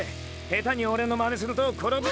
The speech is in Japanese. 下手に俺のまねすると転ぶ。